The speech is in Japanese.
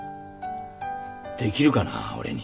できるかな俺に。